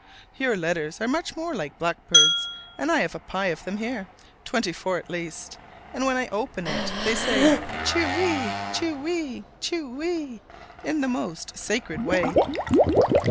Your letters are much more like blackbirds: and I have a pie of them here, twenty four at least; and when I open it they sing "Chewee, chewee, chewee!" in the most scared way!